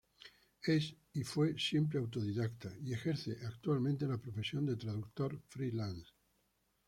Es y fue siempre autodidacta, y ejerce actualmente la profesión de traductor "freelance".